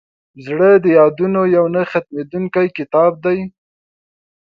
زړه د یادونو یو نه ختمېدونکی کتاب دی.